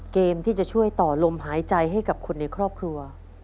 เกมที่จะช่วยต่อลมหายใจให้กับคนในครอบครัว